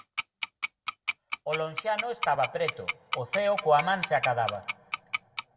O lonxano estaba preto, o ceo coa man se acadaba.